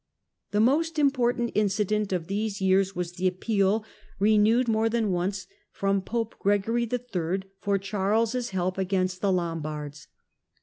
The most important incident of these years was the Charles ppeal, renewed more than once, from Pope Gregory III. p ope or Charles' help against the Lombards.